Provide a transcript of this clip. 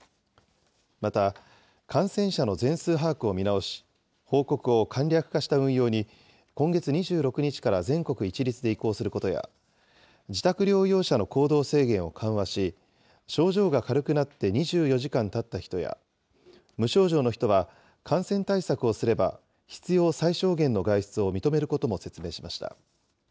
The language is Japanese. また、感染者の全数把握を見直し、報告を簡略化した運用に、今月２６日から全国一律で移行することや、自宅療養者の行動制限を緩和し、症状が軽くなって２４時間たった人や、無症状の人は、感染対策をすれば、必要最小限の外出を認めることも説明しました。